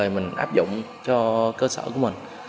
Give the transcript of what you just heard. để mình áp dụng cho cơ sở của mình